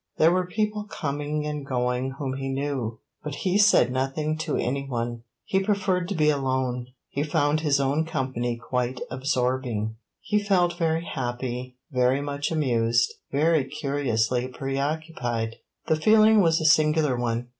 There were people coming and going whom he knew, but he said nothing to any one he preferred to be alone; he found his own company quite absorbing. He felt very happy, very much amused, very curiously preoccupied. The feeling was a singular one.